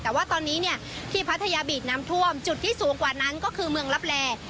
แต่ว่าตอนนี้เนี่ยที่พัทยาบีดน้ำท่วมจุดที่สูงกว่านั้นก็คือเมืองลับแล